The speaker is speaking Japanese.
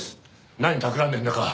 何たくらんでるんだか。